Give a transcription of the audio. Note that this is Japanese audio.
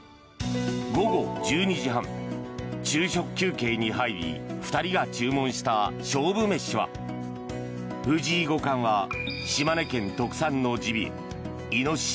午後１２時半、昼食休憩に入り２人が注文した勝負飯は藤井五冠は島根県特産のジビエイノシシ